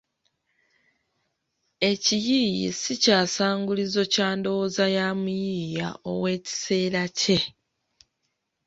Ekiyiiye ssi kyasangulizo kya ndowooza ya muyiiya ow’ekiseera kye.